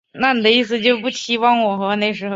中华民国外交陷入困境。